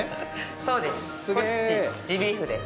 そうです